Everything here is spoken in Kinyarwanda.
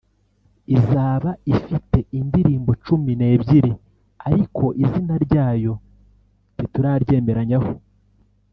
izaba ifite indirimbo cumi n’ebyiri ariko izina ryayo ntituraryemeranyaho